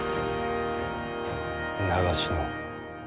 長篠。